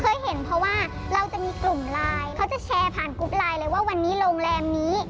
เคยเห็นเพราะว่าเราจะมีกลุ่มไลน์เขาจะแชร์ผ่านกรุ๊ปไลน์เลยว่าวันนี้โรงแรมนี้